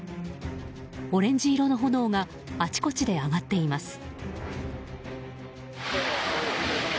オレンジ色の炎があちこちで上がっています。